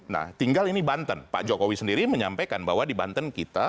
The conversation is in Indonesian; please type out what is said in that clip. nah tinggal ini banten pak jokowi sendiri menyampaikan bahwa di banten kita